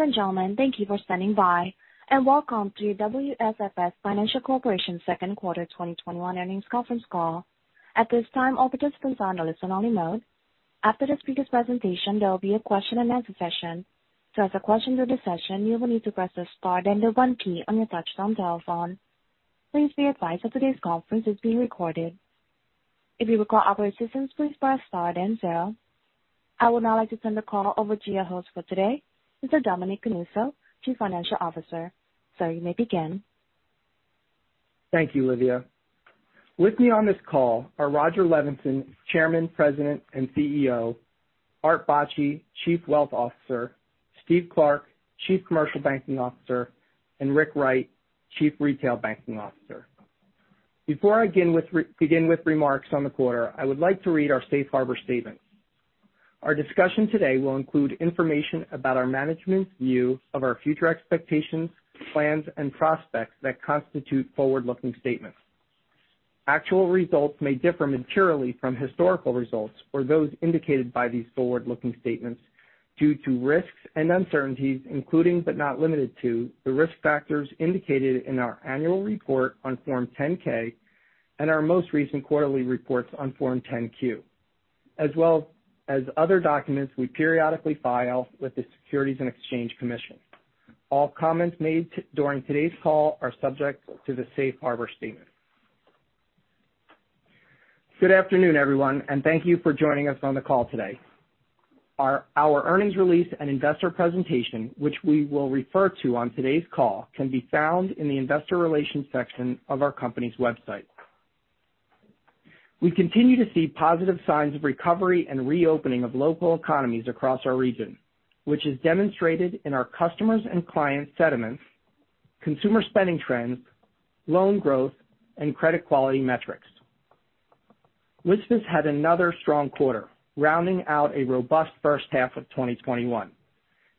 Ladies and gentlemen, thank you for standing by, welcome to WSFS Financial Corporation second quarter 2021 earnings conference call. At this time, all participants are in listen-only mode. After the speaker's presentation, there will be a question and answer session. To ask a question during the session, you will need to press the star then the one key on your touchtone telephone. Please be advised that today's conference is being recorded. If you require operator assistance, please press star then zero. I would now like to turn the call over to your host for today, Mr. Dominic Canuso, Chief Financial Officer. Sir, you may begin. Thank you, Livia. With me on this call are Rodger Levenson, Chairman, President, and CEO, Arthur Bacci, Chief Wealth Officer, Steve Clark, Chief Commercial Banking Officer, and Rick Wright, Chief Retail Banking Officer. Before I begin with remarks on the quarter, I would like to read our safe harbor statement. Our discussion today will include information about our management's view of our future expectations, plans, and prospects that constitute forward-looking statements. Actual results may differ materially from historical results or those indicated by these forward-looking statements due to risks and uncertainties, including but not limited to, the risk factors indicated in our annual report on Form 10-K and our most recent quarterly reports on Form 10-Q, as well as other documents we periodically file with the Securities and Exchange Commission. All comments made during today's call are subject to the safe harbor statement. Good afternoon, everyone, and thank you for joining us on the call today. Our earnings release and investor presentation, which we will refer to on today's call, can be found in the investor relations section of our company's website. We continue to see positive signs of recovery and reopening of local economies across our region, which is demonstrated in our customers' and clients' sentiments, consumer spending trends, loan growth, and credit quality metrics. WSFS had another strong quarter, rounding out a robust first half of 2021,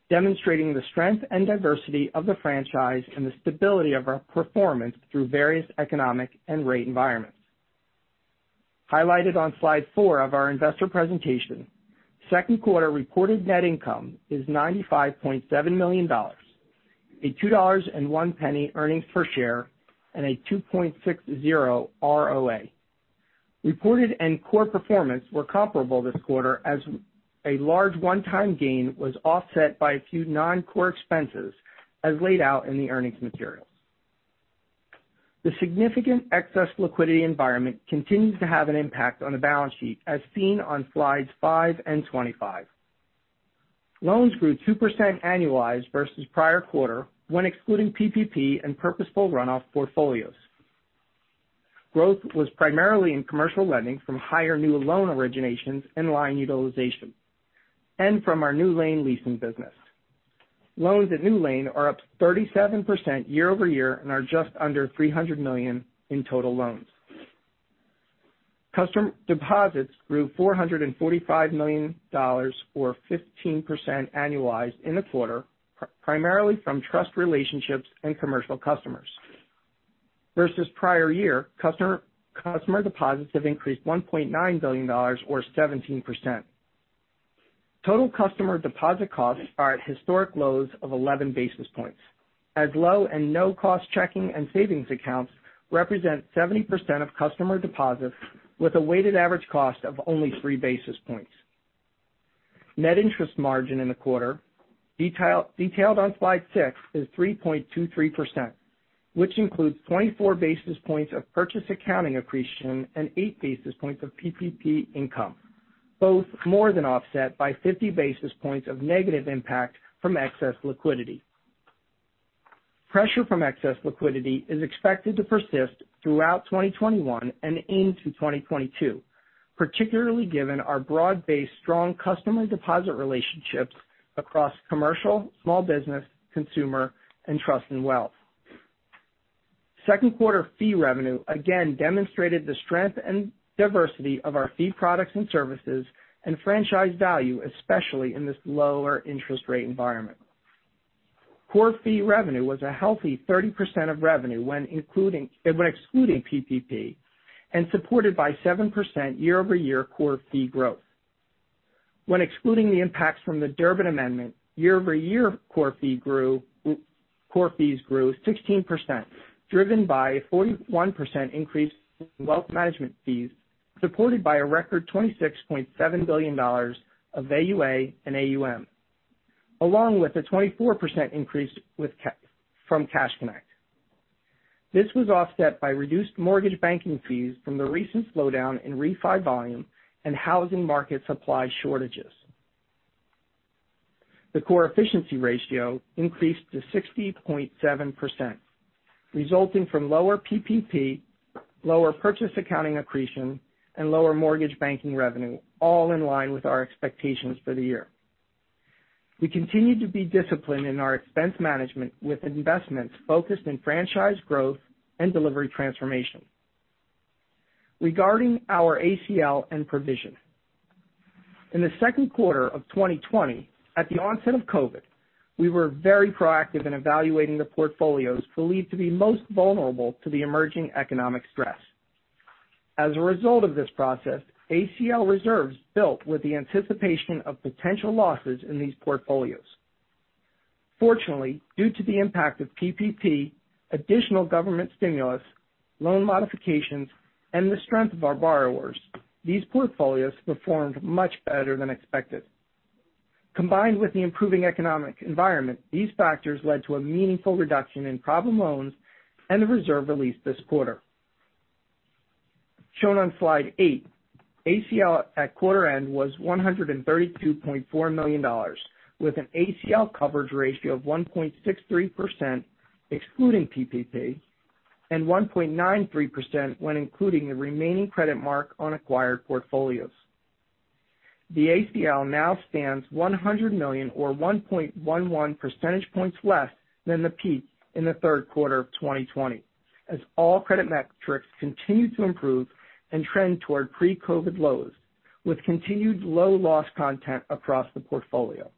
demonstrating the strength and diversity of the franchise and the stability of our performance through various economic and rate environments. Highlighted on slide four of our investor presentation, second quarter reported net income is $95.7 million, a $2.01 earnings per share, and a 2.60% ROA. Reported and core performance were comparable this quarter as a large one-time gain was offset by a few non-core expenses as laid out in the earnings materials. The significant excess liquidity environment continues to have an impact on the balance sheet, as seen on slides five and 25. Loans grew 2% annualized versus prior quarter when excluding PPP and purposeful runoff portfolios. Growth was primarily in commercial lending from higher new loan originations and line utilization, and from our NewLane leasing business. Loans at NewLane are up 37% year-over-year and are just under $300 million in total loans. Customer deposits grew $445 million, or 15% annualized in the quarter, primarily from trust relationships and commercial customers. Versus prior year, customer deposits have increased $1.9 billion or 17%. Total customer deposit costs are at historic lows of 11 basis points, as low and no-cost checking and savings accounts represent 70% of customer deposits with a weighted average cost of only 3 basis points. Net interest margin in the quarter, detailed on slide six, is 3.23%, which includes 24 basis points of purchase accounting accretion and 8 basis points of PPP income, both more than offset by 50 basis points of negative impact from excess liquidity. Pressure from excess liquidity is expected to persist throughout 2021 and into 2022, particularly given our broad-based strong customer deposit relationships across commercial, small business, consumer, and trust and wealth. Second quarter fee revenue again demonstrated the strength and diversity of our fee products and services and franchise value, especially in this lower interest rate environment. Core fee revenue was a healthy 30% of revenue when excluding PPP and supported by 7% year-over-year core fee growth. When excluding the impacts from the Durbin Amendment, year-over-year core fees grew 16%, driven by a 41% increase in wealth management fees, supported by a record $26.7 billion of AUA and AUM, along with a 24% increase from Cash Connect. This was offset by reduced mortgage banking fees from the recent slowdown in refi volume and housing market supply shortages. The core efficiency ratio increased to 60.7%, resulting from lower PPP, lower purchase accounting accretion, and lower mortgage banking revenue, all in line with our expectations for the year. We continue to be disciplined in our expense management with investments focused in franchise growth and delivery transformation. Regarding our ACL and provision. In the second quarter of 2020, at the onset of COVID, we were very proactive in evaluating the portfolios believed to be most vulnerable to the emerging economic stress. As a result of this process, ACL reserves built with the anticipation of potential losses in these portfolios. Fortunately, due to the impact of PPP, additional government stimulus, loan modifications, and the strength of our borrowers, these portfolios performed much better than expected. Combined with the improving economic environment, these factors led to a meaningful reduction in problem loans and the reserve released this quarter. Shown on slide eight, ACL at quarter end was $132.4 million, with an ACL coverage ratio of 1.63%, excluding PPP, and 1.93% when including the remaining credit mark on acquired portfolios. The ACL now stands $100 million or 1.11 percentage points less than the peak in the third quarter of 2020 as all credit metrics continue to improve and trend toward pre-COVID lows, with continued low loss content across the portfolio.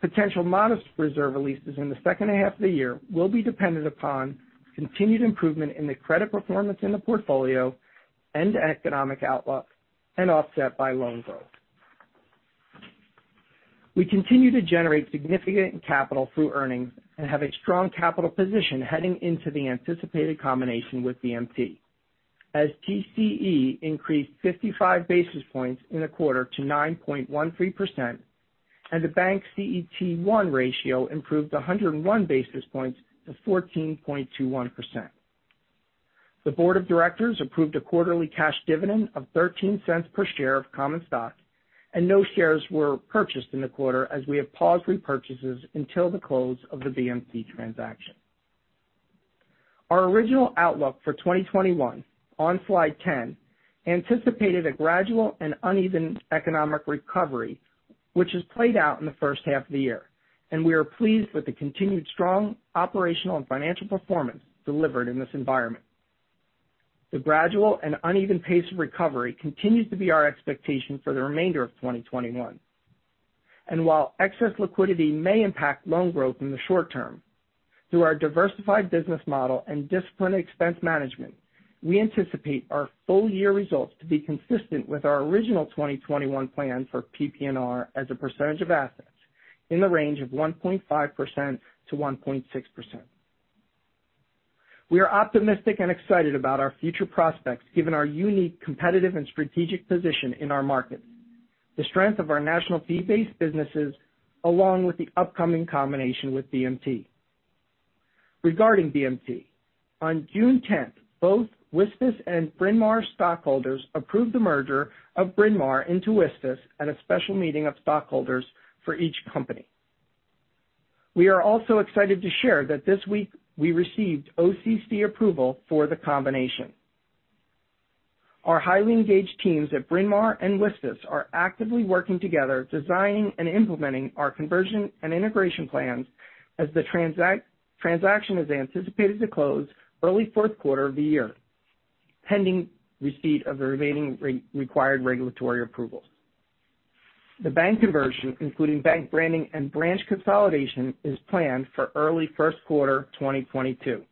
Potential modest reserve releases in the second half of the year will be dependent upon continued improvement in the credit performance in the portfolio and economic outlook, and offset by loan growth. We continue to generate significant capital through earnings and have a strong capital position heading into the anticipated combination with BMT. TCE increased 55 basis points in the quarter to 9.13%, and the bank CET1 ratio improved 101 basis points to 14.21%. The board of directors approved a quarterly cash dividend of $0.13 per share of common stock, no shares were purchased in the quarter as we have paused repurchases until the close of the BMT transaction. Our original outlook for 2021, on slide 10, anticipated a gradual and uneven economic recovery, which has played out in the first half of the year, we are pleased with the continued strong operational and financial performance delivered in this environment. The gradual and uneven pace of recovery continues to be our expectation for the remainder of 2021. While excess liquidity may impact loan growth in the short term, through our diversified business model and disciplined expense management, we anticipate our full year results to be consistent with our original 2021 plan for PPNR as a percentage of assets in the range of 1.5%-1.6%. We are optimistic and excited about our future prospects given our unique competitive and strategic position in our markets, the strength of our national fee-based businesses, along with the upcoming combination with BMT. Regarding BMT, on June 10th, both WSFS and Bryn Mawr stockholders approved the merger of Bryn Mawr into WSFS at a special meeting of stockholders for each company. We are also excited to share that this week we received OCC approval for the combination. Our highly engaged teams at Bryn Mawr and WSFS are actively working together, designing and implementing our conversion and integration plans as the transaction is anticipated to close early fourth quarter of the year, pending receipt of the remaining required regulatory approvals. The bank conversion, including bank branding and branch consolidation, is planned for early first quarter 2022.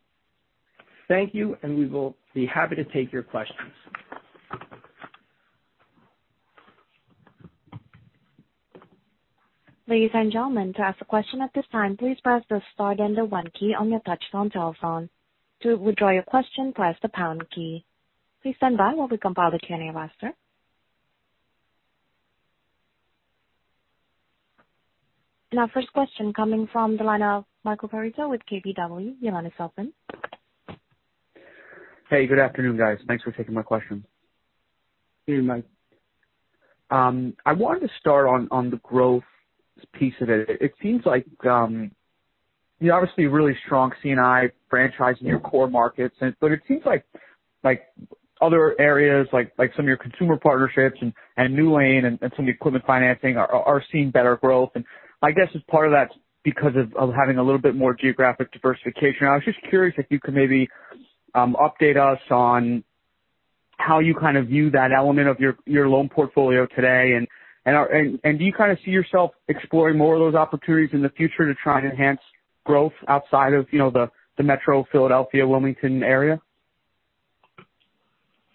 Thank you, and we will be happy to take your questions. Ladies and gentlemen, to ask a question at this time, please press the star and the one key on your touchtone telephone. To withdraw your question, press the pound key. Please stand by while we compile the Q&A roster. Our first question coming from the line of Michael Perito with KBW. You may now ask. Hey, good afternoon, guys. Thanks for taking my question. Hey, Mike. I wanted to start on the growth piece of it. It seems like you obviously have a really strong C&I franchise in your core markets. It seems like other areas, like some of your consumer partnerships and NewLane Finance and some of the equipment financing are seeing better growth. I guess part of that's because of having a little bit more geographic diversification. I was just curious if you could maybe update us on how you kind of view that element of your loan portfolio today and do you kind of see yourself exploring more of those opportunities in the future to try and enhance growth outside of the Metro Philadelphia, Wilmington area?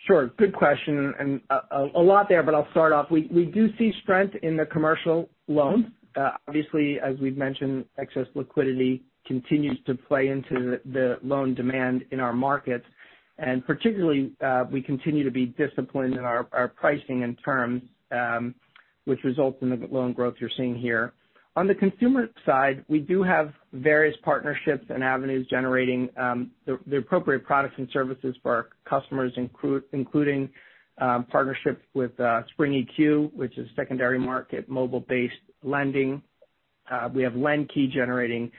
Sure. Good question. A lot there, but I'll start off. We do see strength in the commercial loans. Obviously, as we've mentioned, excess liquidity continues to play into the loan demand in our markets. Particularly, we continue to be disciplined in our pricing and terms, which results in the loan growth you're seeing here. On the consumer side, we do have various partnerships and avenues generating the appropriate products and services for our customers including partnership with Spring EQ, which is secondary market mobile-based lending. We have LendKey generating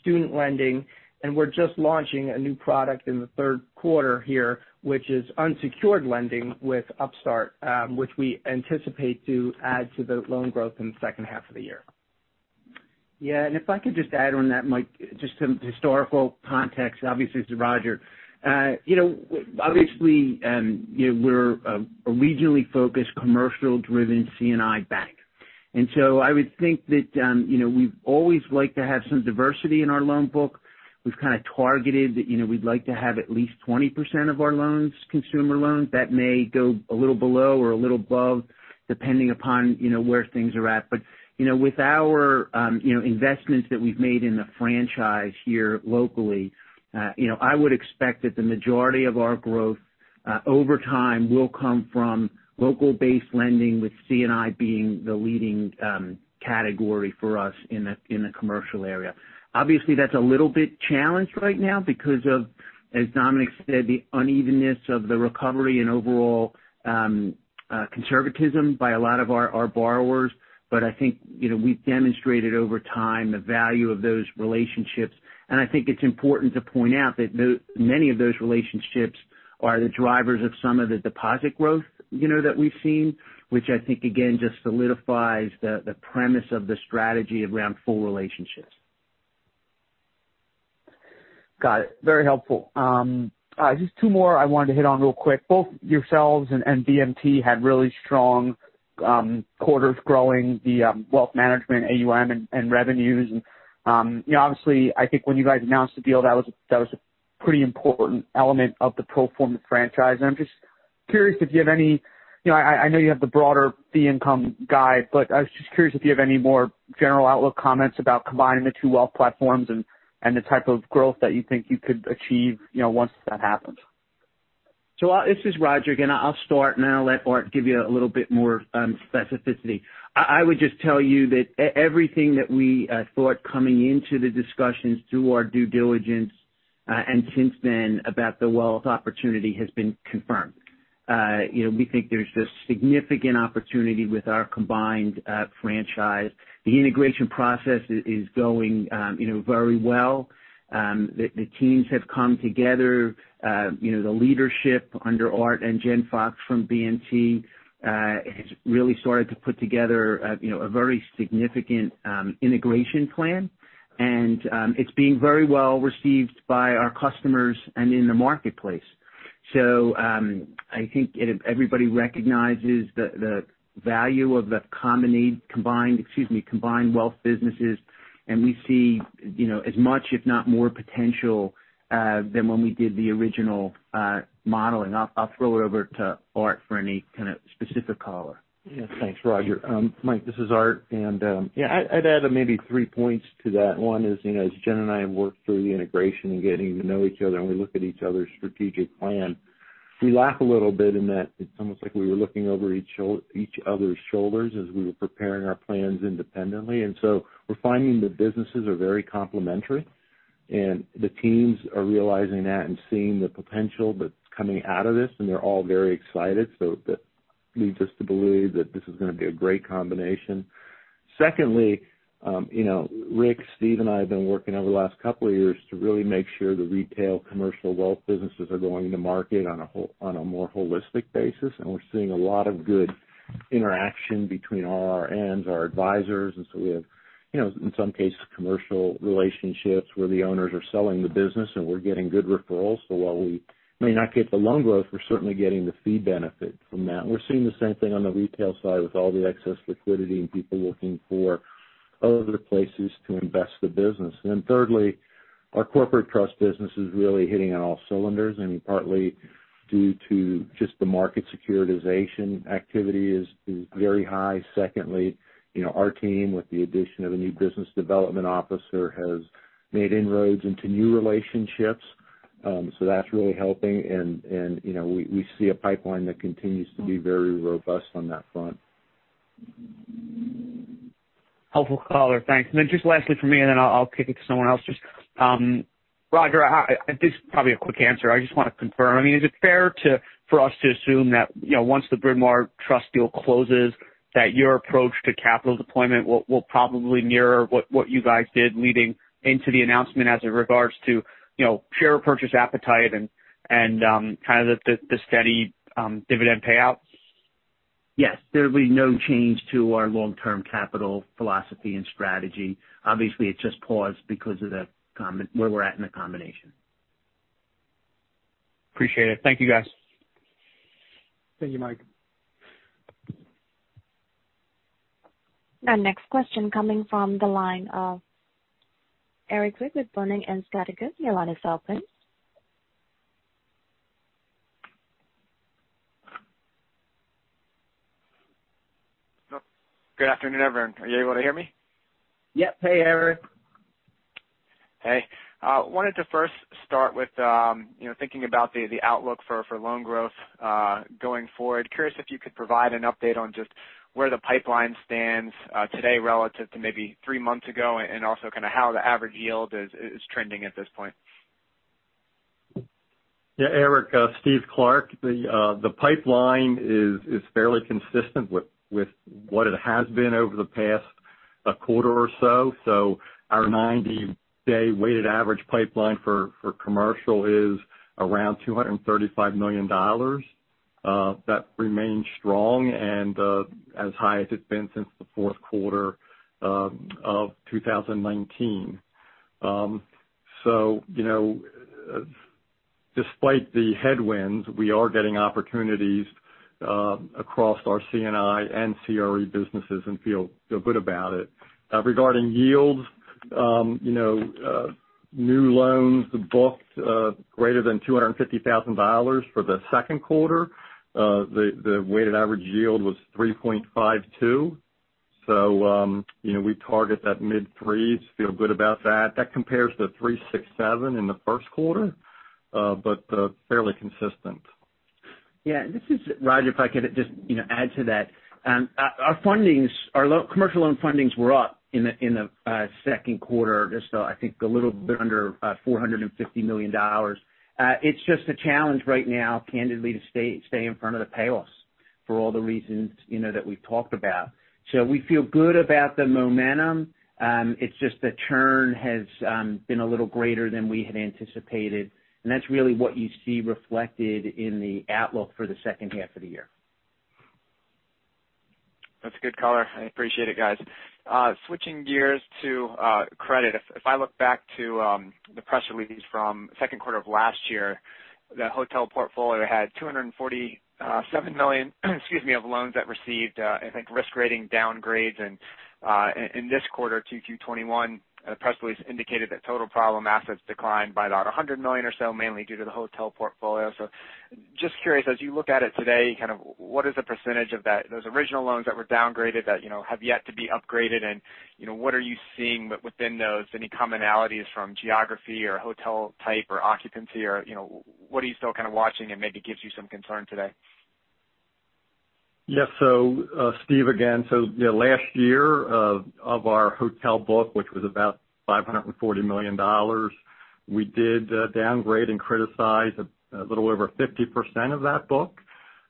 student lending, and we're just launching a new product in the third quarter here, which is unsecured lending with Upstart, which we anticipate to add to the loan growth in the second half of the year. Yeah, if I could just add on that, Mike, just some historical context. Obviously, this is Rodger. Obviously, we're a regionally focused, commercial-driven C&I bank. I would think that we've always liked to have some diversity in our loan book. We've kind of targeted that we'd like to have at least 20% of our loans consumer loans. That may go a little below or a little above, depending upon where things are at. With our investments that we've made in the franchise here locally, I would expect that the majority of our growth over time will come from local-based lending, with C&I being the leading category for us in the commercial area. Obviously, that's a little bit challenged right now because of, as Dominic said, the unevenness of the recovery and overall conservatism by a lot of our borrowers. I think we've demonstrated over time the value of those relationships, and I think it's important to point out that many of those relationships are the drivers of some of the deposit growth that we've seen, which I think, again, just solidifies the premise of the strategy around full relationships. Got it. Very helpful. Just two more I wanted to hit on real quick. Both yourselves and BMT had really strong quarters growing the wealth management AUM and revenues, and obviously, I think when you guys announced the deal, that was a pretty important element of the pro forma franchise. I'm just curious if you have I know you have the broader fee income guide, but I was just curious if you have any more general outlook comments about combining the two wealth platforms and the type of growth that you think you could achieve once that happens. This is Rodger again. I'll start now and let Arthur give you a little bit more specificity. I would just tell you that everything that we thought coming into the discussions through our due diligence and since then about the wealth opportunity has been confirmed. We think there's a significant opportunity with our combined franchise. The integration process is going very well. The teams have come together. The leadership under Arthur and Jen Fox from BMT has really started to put together a very significant integration plan, and it's being very well received by our customers and in the marketplace. I think everybody recognizes the value of the combined wealth businesses, and we see as much, if not more potential than when we did the original modeling. I'll throw it over to Arthur for any kind of specific color. Yes. Thanks, Rodger. Mike, this is Arthur. Yeah, I'd add maybe three points to that. One is, as Jen and I have worked through the integration and getting to know each other, and we look at each other's strategic plan, we laugh a little bit and that it's almost like we were looking over each other's shoulders as we were preparing our plans independently. We're finding the businesses are very complementary, and the teams are realizing that and seeing the potential that's coming out of this, and they're all very excited. That leads us to believe that this is going to be a great combination. Secondly, Rick, Steve, and I have been working over the last two years to really make sure the retail commercial wealth businesses are going to market on a more holistic basis, and we're seeing a lot of good interaction between RRAs and our advisors. We have, in some cases, commercial relationships where the owners are selling the business, and we're getting good referrals. While we may not get the loan growth, we're certainly getting the fee benefit from that. We're seeing the same thing on the retail side with all the excess liquidity and people looking for other places to invest the business. Thirdly, our corporate trust business is really hitting on all cylinders, and partly due to just the market securitization activity is very high. Secondly, our team, with the addition of a new business development officer, has made inroads into new relationships. That's really helping, and we see a pipeline that continues to be very robust on that front. Helpful color. Thanks. Lastly from me, I'll kick it to someone else. Rodger, this is probably a quick answer. I want to confirm. Is it fair for us to assume that once the Bryn Mawr Trust deal closes, that your approach to capital deployment will probably mirror what you guys did leading into the announcement as it regards to share purchase appetite and kind of the steady dividend payouts? Yes. There will be no change to our long-term capital philosophy and strategy. Obviously, it's just paused because of where we're at in the combination. Appreciate it. Thank you, guys. Thank you, Mike. Our next question coming from the line of Erik Zwick with Boenning & Scattergood. Your line is open. Good afternoon, everyone. Are you able to hear me? Yep. Hey, Erik. Hey. Wanted to first start with thinking about the outlook for loan growth going forward. Curious if you could provide an update on just where the pipeline stands today relative to maybe three months ago, and also kind of how the average yield is trending at this point. Yeah, Erik. Steve Clark. The pipeline is fairly consistent with what it has been over the past quarter or so. Our 90-day weighted average pipeline for commercial is around $235 million. That remains strong and as high as it's been since the fourth quarter of 2019. So Despite the headwinds, we are getting opportunities across our C&I and CRE businesses and feel good about it. Regarding yields, new loans booked greater than $250,000 for the second quarter, the weighted average yield was 3.52. We target that mid-threes, feel good about that. That compares to 3.67 in the first quarter, but fairly consistent. Yeah. This is Rodger, if I could just add to that. Our commercial loan fundings were up in the second quarter, just, I think, a little bit under $450 million. It's just a challenge right now, candidly, to stay in front of the payoffs for all the reasons that we've talked about. We feel good about the momentum. It's just the churn has been a little greater than we had anticipated, and that's really what you see reflected in the outlook for the second half of the year. That's a good color. I appreciate it, guys. Switching gears to credit. If I look back to the press release from the second quarter of last year, the hotel portfolio had $247 million of loans that received, I think, risk rating downgrades. In this quarter, Q2 2021, the press release indicated that total problem assets declined by about $100 million or so, mainly due to the hotel portfolio. Just curious, as you look at it today, what is the percentage of those original loans that were downgraded that have yet to be upgraded and what are you seeing within those? Any commonalities from geography or hotel type or occupancy or what are you still kind of watching and maybe gives you some concern today? Yeah. Steve again. Last year, of our hotel book, which was about $540 million, we did downgrade and criticize a little over 50% of that book.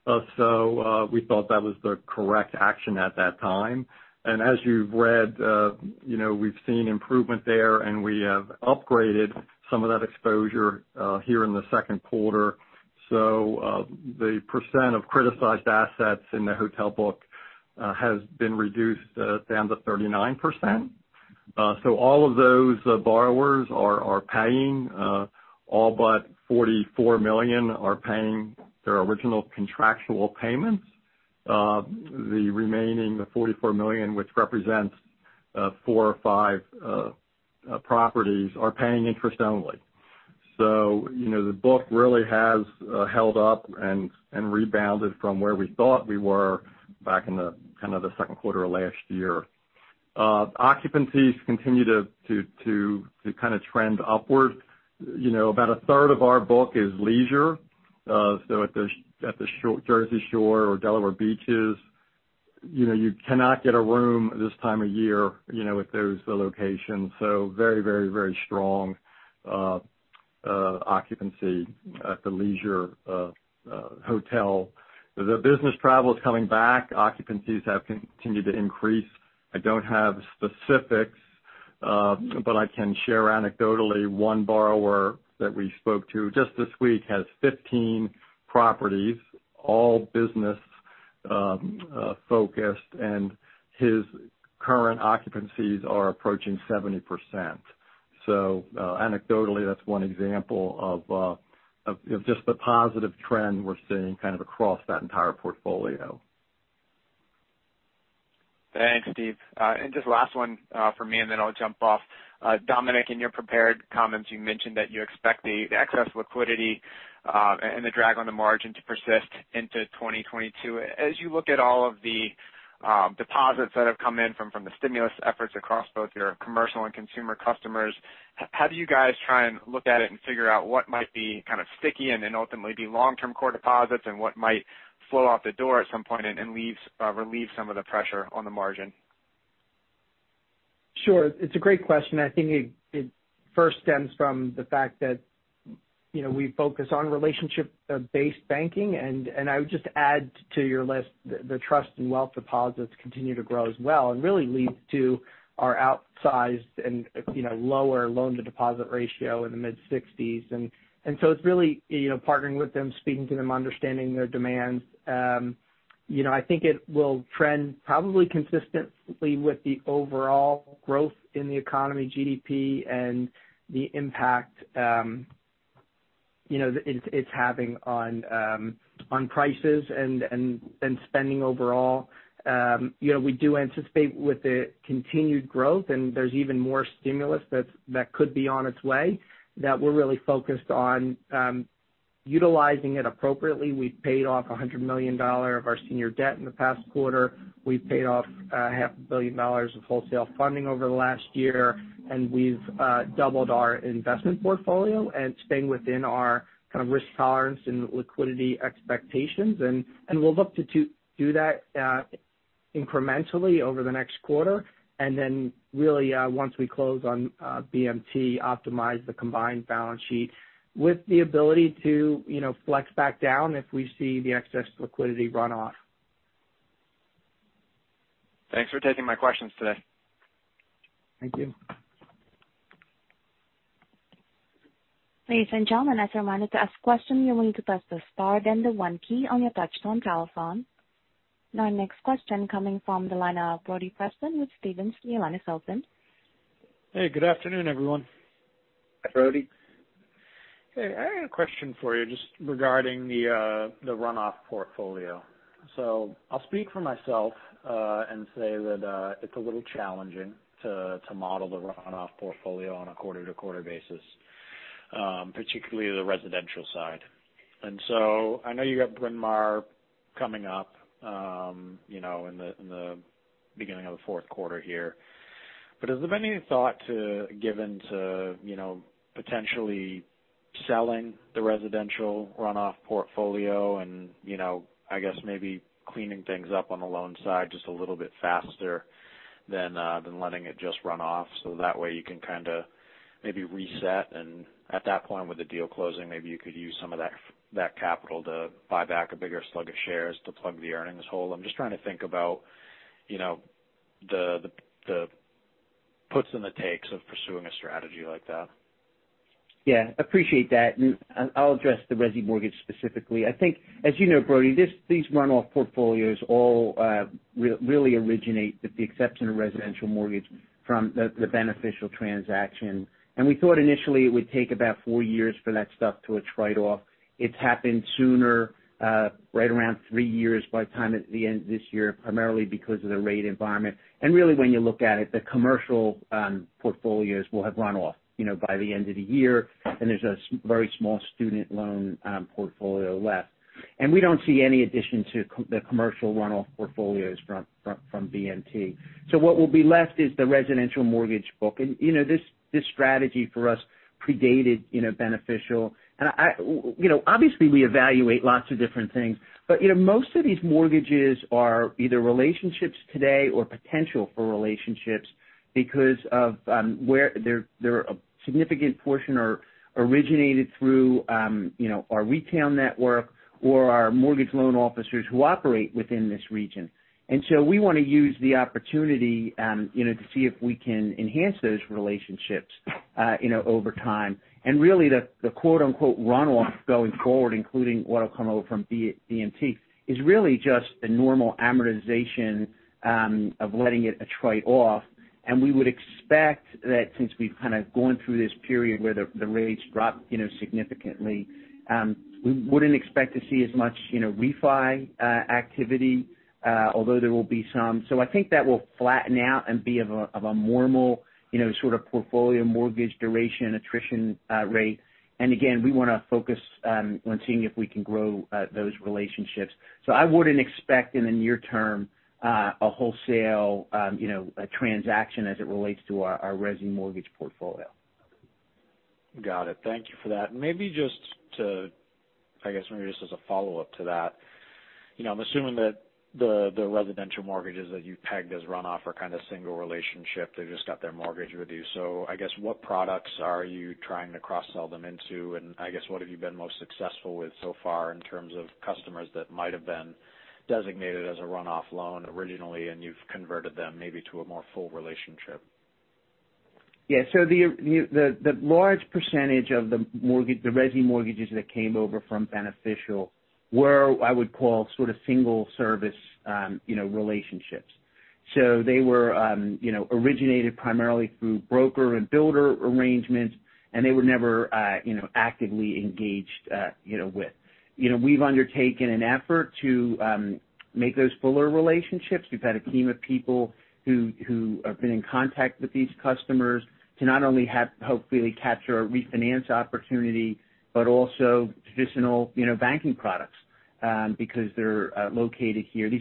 We thought that was the correct action at that time. As you've read, we've seen improvement there, and we have upgraded some of that exposure here in the second quarter. The percent of criticized assets in the hotel book has been reduced down to 39%. All of those borrowers are paying. All but $44 million are paying their original contractual payments. The remaining $44 million, which represents four or five properties, are paying interest only. The book really has held up and rebounded from where we thought we were back in the second quarter of last year. Occupancies continue to kind of trend upward. About a third of our book is leisure. At the Jersey Shore or Delaware beaches you cannot get a room this time of year at those locations. Very strong occupancy at the leisure hotel. The business travel is coming back. Occupancies have continued to increase. I don't have specifics, but I can share anecdotally, one borrower that we spoke to just this week has 15 properties, all business-focused, and his current occupancies are approaching 70%. Anecdotally, that's one example of just the positive trend we're seeing kind of across that entire portfolio. Thanks, Steve. Just last one from me, then I'll jump off. Dominic, in your prepared comments, you mentioned that you expect the excess liquidity and the drag on the margin to persist into 2022. As you look at all of the deposits that have come in from the stimulus efforts across both your commercial and consumer customers, how do you guys try and look at it and figure out what might be kind of sticky and then ultimately be long-term core deposits and what might flow out the door at some point and relieve some of the pressure on the margin? Sure. It's a great question. I think it first stems from the fact that we focus on relationship-based banking, and I would just add to your list the trust and wealth deposits continue to grow as well and really leads to our outsized and lower loan-to-deposit ratio in the mid-60s. It's really partnering with them, speaking to them, understanding their demands. I think it will trend probably consistently with the overall growth in the economy, GDP, and the impact it's having on prices and spending overall. We do anticipate with the continued growth, and there's even more stimulus that could be on its way, that we're really focused on utilizing it appropriately. We paid off $100 million of our senior debt in the past quarter. We've paid off a half a billion dollars of wholesale funding over the last year, and we've doubled our investment portfolio and staying within our kind of risk tolerance and liquidity expectations. We'll look to do that incrementally over the next quarter. Then really, once we close on BMT, optimize the combined balance sheet with the ability to flex back down if we see the excess liquidity run off. Thanks for taking my questions today. Thank you. Ladies and gentlemen, as a reminder, to ask a question, you're going to press the star then the 1 key on your touchtone telephone. Our next question coming from the line of Brody Preston with Stephens. Your line is open. Hey, good afternoon, everyone. Hi, Brody. Hey, I got a question for you just regarding the runoff portfolio. I'll speak for myself and say that it's a little challenging to model the runoff portfolio on a quarter-to-quarter basis, particularly the residential side. I know you got Bryn Mawr coming up in the beginning of the fourth quarter here. Has there been any thought given to potentially selling the residential runoff portfolio and I guess maybe cleaning things up on the loan side just a little bit faster than letting it just run off, so that way you can kind of maybe reset and at that point with the deal closing, maybe you could use some of that capital to buy back a bigger slug of shares to plug the earnings hole? I'm just trying to think about the puts and the takes of pursuing a strategy like that. Yeah. Appreciate that. I'll address the resi mortgage specifically. I think as you know, Brody, these runoff portfolios all really originate, with the exception of residential mortgage, from the Beneficial transaction. We thought initially it would take about four years for that stuff to attrite off. It's happened sooner, right around three years by the time at the end of this year, primarily because of the rate environment. Really when you look at it, the commercial portfolios will have run off by the end of the year, and there's a very small student loan portfolio left. We don't see any addition to the commercial runoff portfolios from BMT. What will be left is the residential mortgage book. This strategy for us predated Beneficial. Most of these mortgages are either relationships today or potential for relationships because a significant portion are originated through our retail network or our mortgage loan officers who operate within this region. We want to use the opportunity to see if we can enhance those relationships over time. Really the "runoff" going forward, including what'll come over from BMT is really just a normal amortization of letting it attrite off. We would expect that since we've kind of gone through this period where the rates dropped significantly, we wouldn't expect to see as much refi activity although there will be some. I think that will flatten out and be of a normal sort of portfolio mortgage duration attrition rate. Again, we want to focus on seeing if we can grow those relationships. I wouldn't expect in the near term a wholesale transaction as it relates to our resi mortgage portfolio. Got it. Thank you for that. Maybe just as a follow-up to that, I'm assuming that the residential mortgages that you've tagged as runoff are kind of single relationship. They've just got their mortgage with you. I guess what products are you trying to cross-sell them into, and I guess what have you been most successful with so far in terms of customers that might have been designated as a runoff loan originally and you've converted them maybe to a more full relationship? Yeah. The large percentage of the resi mortgages that came over from Beneficial were, I would call sort of single service relationships. They were originated primarily through broker and builder arrangements, and they were never actively engaged with. We've undertaken an effort to make those fuller relationships. We've had a team of people who have been in contact with these customers to not only hopefully capture a refinance opportunity, but also traditional banking products because these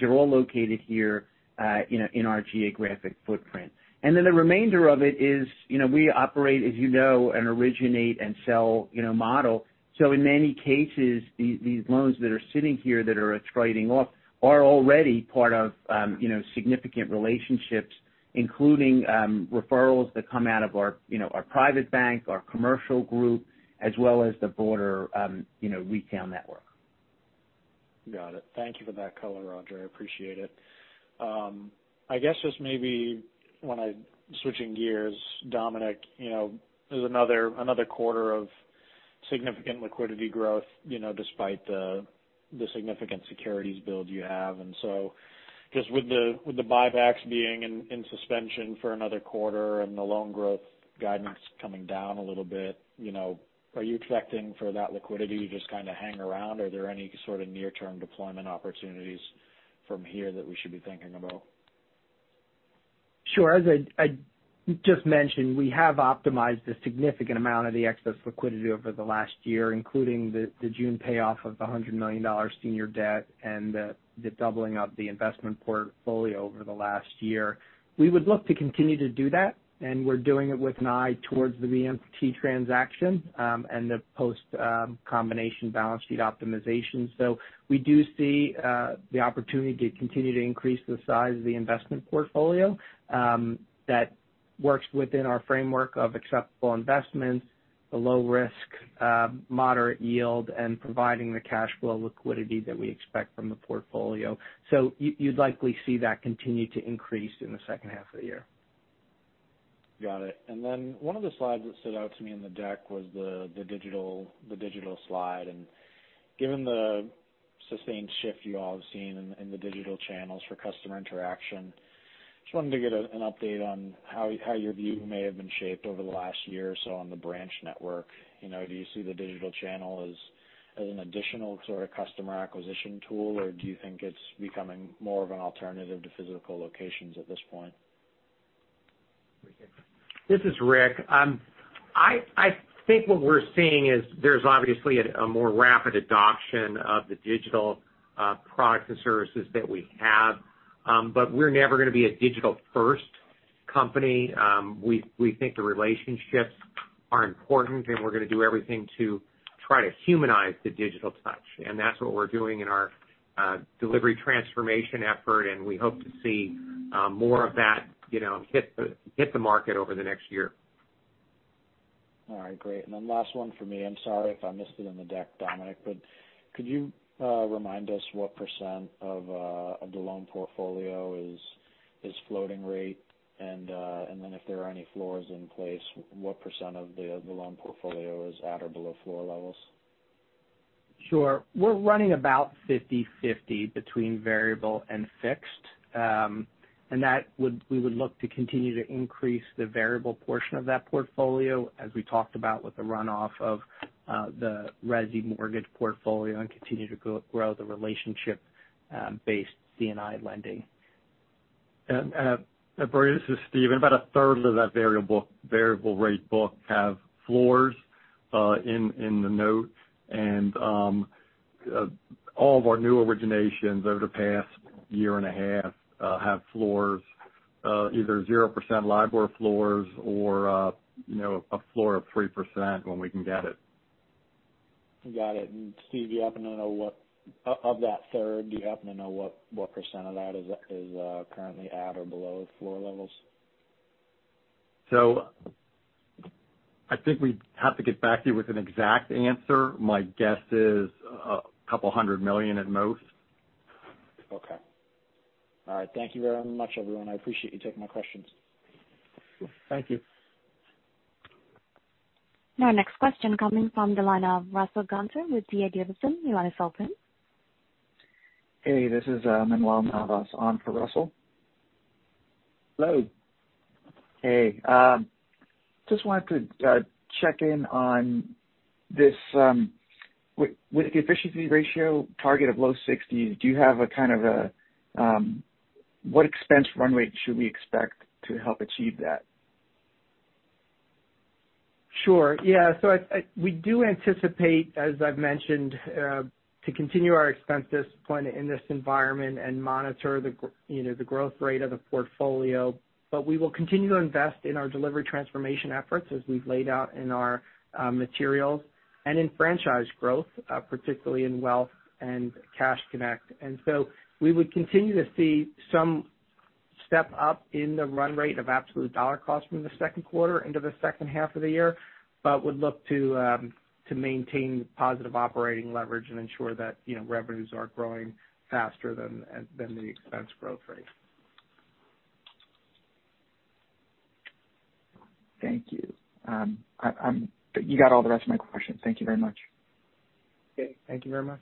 are all located here in our geographic footprint. The remainder of it is we operate as you know, an originate and sell model. In many cases, these loans that are sitting here that are attriting off are already part of significant relationships, including referrals that come out of our private bank, our commercial group, as well as the broader retail network. Got it. Thank you for that color, Rodger. I appreciate it. I guess just maybe switching gears, Dominic, there's another quarter of significant liquidity growth despite the significant securities build you have. Just with the buybacks being in suspension for another quarter and the loan growth guidance coming down a little bit, are you expecting for that liquidity to just kind of hang around? Are there any sort of near-term deployment opportunities from here that we should be thinking about? Sure. As I just mentioned, we have optimized a significant amount of the excess liquidity over the last year, including the June payoff of the $100 million senior debt and the doubling of the investment portfolio over the last year. We would look to continue to do that, and we're doing it with an eye towards the BMT transaction and the post combination balance sheet optimization. We do see the opportunity to continue to increase the size of the investment portfolio that works within our framework of acceptable investments, the low risk, moderate yield, and providing the cash flow liquidity that we expect from the portfolio. You'd likely see that continue to increase in the second half of the year. Got it. One of the slides that stood out to me in the deck was the digital slide. Given the sustained shift you all have seen in the digital channels for customer interaction. Just wanted to get an update on how your view may have been shaped over the last year or so on the branch network. Do you see the digital channel as an additional sort of customer acquisition tool, or do you think it's becoming more of an alternative to physical locations at this point? This is Rick. I think what we're seeing is there's obviously a more rapid adoption of the digital products and services that we have. We're never going to be a digital-first company. We think the relationships are important, and we're going to do everything to try to humanize the digital touch. That's what we're doing in our delivery transformation effort, and we hope to see more of that hit the market over the next year. All right, great. Last one for me. I'm sorry if I missed it in the deck, Dominic, but could you remind us what % of the loan portfolio is floating rate? If there are any floors in place, what % of the loan portfolio is at or below floor levels? Sure. We're running about 50/50 between variable and fixed. That we would look to continue to increase the variable portion of that portfolio as we talked about with the runoff of the resi mortgage portfolio and continue to grow the relationship based C&I lending. Brody, this is Steve. About a third of that variable rate book have floors in the notes. All of our new originations over the past year and a half have floors, either 0% LIBOR floors or a floor of 3% when we can get it. Got it. Steve, do you happen to know what % of that is currently at or below floor levels? I think we'd have to get back to you with an exact answer. My guess is $200 million at most. Okay. All right. Thank you very much, everyone. I appreciate you taking my questions. Thank you. Next question coming from the line of Russell Gunther with D.A. Davidson. You want to speak please. Hey, this is Manuel Navas on for Russell. Hello. Hey. Just wanted to check in on this. With the efficiency ratio target of low 60s, what expense run rate should we expect to help achieve that? Sure. Yeah. We do anticipate, as I've mentioned, to continue our expense discipline in this environment and monitor the growth rate of the portfolio. We will continue to invest in our delivery transformation efforts as we've laid out in our materials and in franchise growth, particularly in wealth and Cash Connect. We would continue to see some step up in the run rate of absolute dollar costs from the second quarter into the second half of the year, but would look to maintain positive operating leverage and ensure that revenues are growing faster than the expense growth rate. Thank you. You got all the rest of my questions. Thank you very much. Okay. Thank you very much.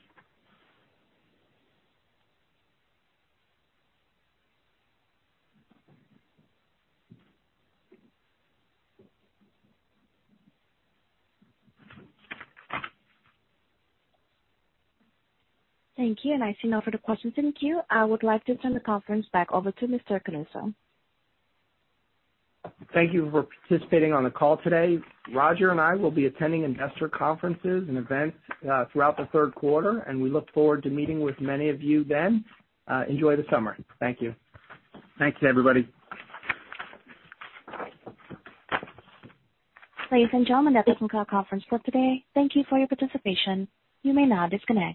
Thank you. I see no further questions in queue. I would like to turn the conference back over to Mr. Canuso. Thank you for participating on the call today. Rodger and I will be attending investor conferences and events throughout the third quarter, and we look forward to meeting with many of you then. Enjoy the summer. Thank you. Thanks everybody. Ladies and gentlemen, that's the call conference for today. Thank you for your participation. You may now disconnect.